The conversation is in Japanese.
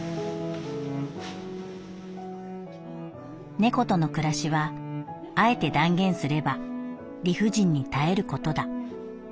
「猫との暮らしは敢えて断言すれば理不尽に耐えることだ。